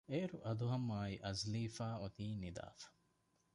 އޭރު އަދުހަމްއާއި އަޒްލީފާ އޮތީ ނިދާފަ